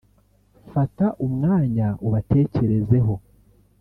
Fata umwanya ubatekerezeho